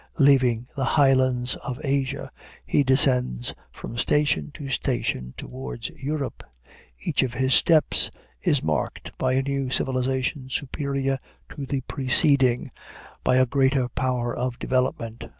Leaving the highlands of Asia, he descends from station to station towards Europe. Each of his steps is marked by a new civilization superior to the preceding, by a greater power of development.